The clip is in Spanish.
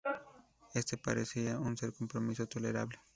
Este parecía ser un compromiso tolerable.